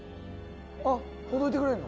あっほどいてくれんの？